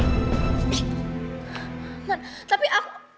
man tapi aku